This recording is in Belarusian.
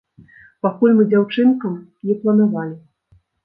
Пакуль мы дзяўчынкам не планавалі.